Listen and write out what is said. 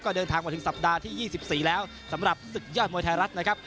เดินทางมาถึงสัปดาห์ที่๒๔แล้วสำหรับศึกยอดมวยไทยรัฐนะครับ